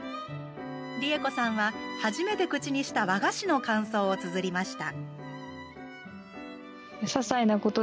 りえこさんは、初めて口にした和菓子の感想をつづりました。